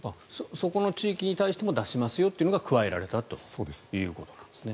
そこの地域に対しても出しますよというのが加えられたということですね。